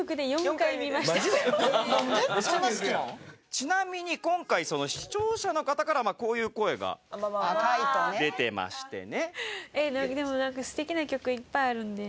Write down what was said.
ちなみに今回、視聴者の方からこういう声が出てましてね。